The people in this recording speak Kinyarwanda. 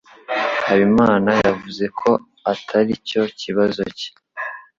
Habimana yavuze ko atari cyo kibazo cye.